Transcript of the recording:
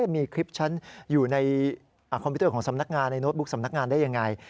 มีคลิปฉันอยู่ในคอมพิวเตอร์ของสำนักงานในโน้ตบุ๊กสำนักงานได้ยังไง